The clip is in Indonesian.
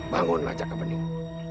bangunlah cakak bening